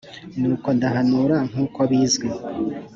nuko ndahanura nk uko bizwi